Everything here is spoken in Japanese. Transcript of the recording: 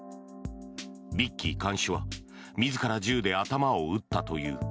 ビッキー看守は自ら銃で頭を撃ったという。